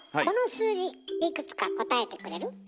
この数字いくつか答えてくれる？